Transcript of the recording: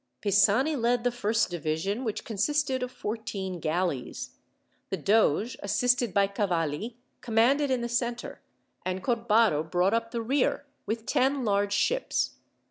Pisani led the first division, which consisted of fourteen galleys. The doge, assisted by Cavalli, commanded in the centre; and Corbaro brought up the rear, with ten large ships.